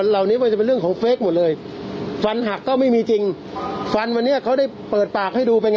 นะครับนะวันนี้ดูหมดเลยทุกอย่างวันนี้ดูจากรูปหรือดูจากศพหรือร่าง